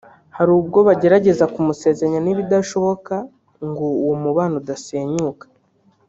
hari ubwo bagerageza kumusezeranya n’ibidashoboka ngo uwo mubano udasenyuka